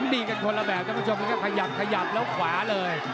ดีกันคนละแบบคุณผู้ชมมันก็ขยับแล้วขวาเลย